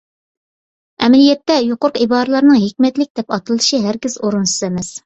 ئەمەلىيەتتە، يۇقىرىقى ئىبارىلەرنىڭ ھېكمەتلىك دەپ ئاتىلىشى ھەرگىز ئورۇنسىز ئەمەس.